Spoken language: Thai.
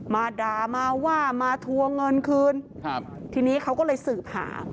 มาด่ามาว่ามาทวงเงินคืนครับทีนี้เขาก็เลยสืบหา